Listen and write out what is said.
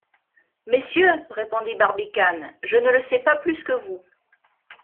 Messieurs, répondit Barbicane, je ne le sais pas plus que vous.